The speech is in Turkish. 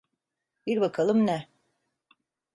Bil bakalım ne?